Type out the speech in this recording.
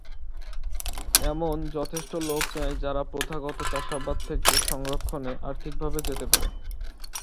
এমন যথেষ্ট লোক নেই যারা প্রথাগত চাষাবাদ থেকে সংরক্ষণে আর্থিকভাবে যেতে পারে।